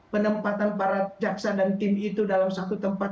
penempatan para jaksa dan tim itu dalam satu tempat